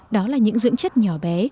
đó là những dưỡng chất nhỏ bé